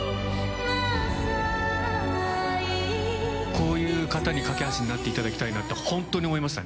こういう方に架け橋になっていただきたいなってホントに思いましたね。